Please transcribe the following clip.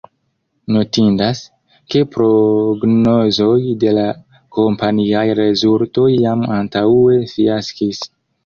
Notindas, ke prognozoj de la kompaniaj rezultoj jam antaŭe fiaskis.